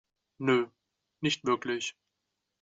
Nö, nicht wirklich.